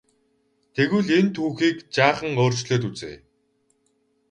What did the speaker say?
Тэгвэл энэ түүхийг жаахан өөрчлөөд үзье.